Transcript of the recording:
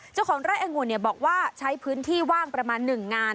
เจ้าของไร่อังุ่นบอกว่าใช้พื้นที่ว่างประมาณ๑งาน